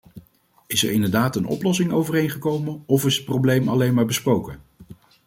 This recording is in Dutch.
Is er inderdaad een oplossing overeengekomen of is het probleem alleen maar besproken?